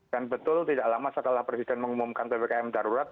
dan betul tidak lama setelah presiden mengumumkan ppkm darurat